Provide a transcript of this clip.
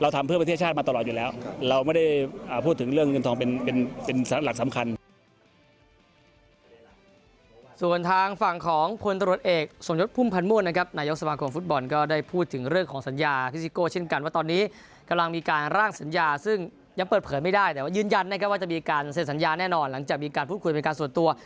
แต่ยืนยันว่าจะมีการเสร็จสัญญาแน่นอนหลังจากมีการพูดคุยเป็นการส่วนตัว